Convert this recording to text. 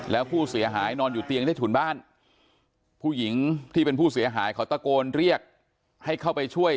แล้วผู้เสียหายนอนอยู่เตียงใต้ถุนบ้านผู้หญิงที่เป็นผู้เสียหายเขาตะโกนเรียกให้เข้าไปช่วย